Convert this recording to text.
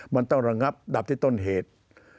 มันต้องระงับดับที่ต้นเหตุ